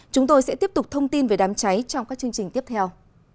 chúng tôi sẽ tiếp tục thông tin về đám cháy trong các chương trình tiếp theo